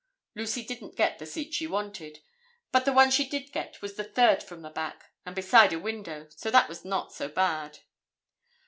Lucy didn't get the seat she wanted, but the one she did get was the third from the back, and beside a window, so that was not so bad.